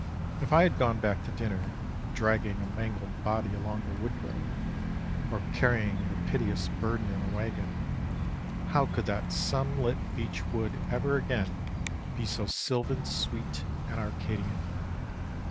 If I had gone back to dinner dragging a mangled body along the wood road, or carrying the piteous burden in a wagon, how could that sunlit beech wood ever again be so sylvan sweet and Arcadian?